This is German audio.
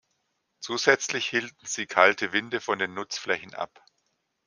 Zusätzlich hielten sie kalte Winde von den Nutzflächen ab.